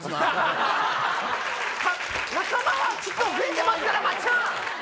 仲間はきっと増えてますから松ちゃん！